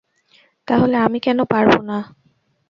তাহলে আমি কেন পারবো না?